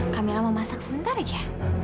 kak mila mau masak sebentar aja